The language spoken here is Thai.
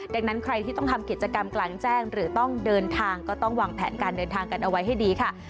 ดังนั้นใครที่ต้องทำกิจกรรมกลางแจ้งหรือต้องเดินทางก็ต้องวางแผนการเดินทางกันเอาไว้ให้ดีค่ะ